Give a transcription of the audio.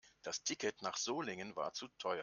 Das Ticket nach Solingen war zu teuer